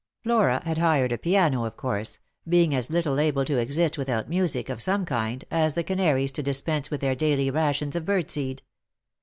Flora had hired a piano, of course, being as little able to exist without music of some kind as the canaries to dispense with their daily rations of birdseed.